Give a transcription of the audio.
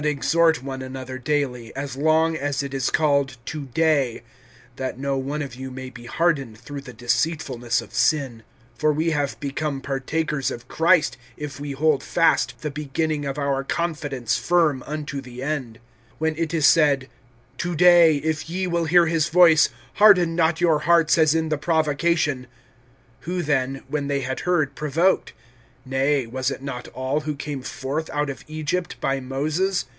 (13)But exhort one another daily, as long as it is called To day, that no one of you may be hardened through the deceitfulness of sin. (14)For we have become partakers of Christ, if we hold fast the beginning of our confidence firm unto the end. (15)When it is said: To day, if ye will hear his voice, harden not your hearts as in the provocation; (16)who then, when they had heard, provoked? Nay, was it not all who came forth out of Egypt by Moses?